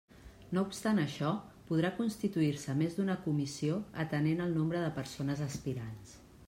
No obstant això, podrà constituir-se més d'una comissió atenent el nombre de persones aspirants.